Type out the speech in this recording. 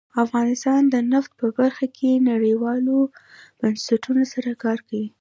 افغانستان د نفت په برخه کې نړیوالو بنسټونو سره کار کوي.